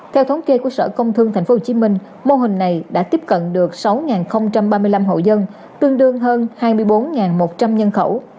theo thống kê của sở công thương tp hcm mô hình này đã tiếp cận được sáu ba mươi năm hộ dân tương đương hơn hai mươi bốn một trăm linh nhân khẩu